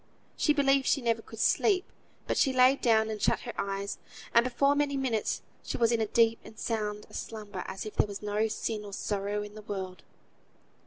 She believed she never could sleep, but she lay down, and shut her eyes; and before many minutes she was in as deep and sound a slumber as if there was no sin nor sorrow in the world.